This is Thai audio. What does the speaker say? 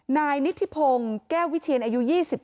นายนิธิพงศ์แก้ววิเชียนอายุ๒๓